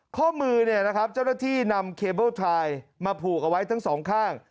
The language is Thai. ข้อมือเนี่ยนะครับเจ้าหน้าที่นำเคเบิ้ลชายมาผูกเอาไว้ทั้งสองข้าง